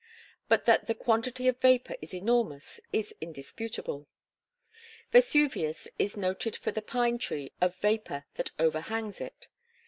But that the quantity of vapor is enormous is indisputable. Vesuvius is noted for the "pine tree" of vapor that overhangs it.